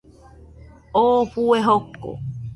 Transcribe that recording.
Oo fue joko